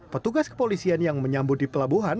petugas kepolisian yang menyambut di pelabuhan